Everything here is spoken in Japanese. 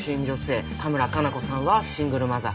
多村加奈子さんはシングルマザー。